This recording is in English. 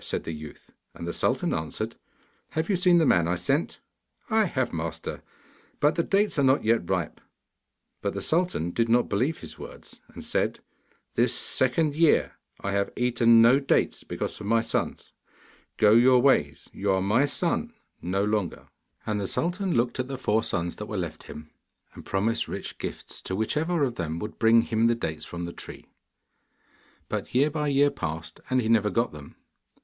said the youth. And the sultan answered, 'Have you seen the man I sent?' 'I have, master; but the dates are not yet ripe.' But the sultan did not believe his words, and said; 'This second year I have eaten no dates, because of my sons. Go your ways, you are my son no longer!' And the sultan looked at the four sons that were left him, and promised rich gifts to whichever of them would bring him the dates from the tree. But year by year passed, and he never got them.